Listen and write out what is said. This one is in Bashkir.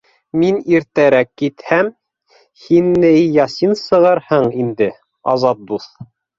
Мин иртәрәк китһәм, һин, ней, ясин сығырһың инде, Азат дуҫ...